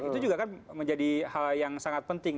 itu juga kan menjadi hal yang sangat penting